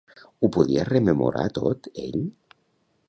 Ho podia rememorar tot, ell?